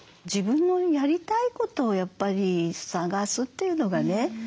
自分のやりたいことをやっぱり探すっていうのがね。